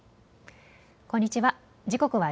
こんにちは。